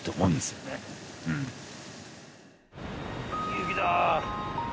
雪だ！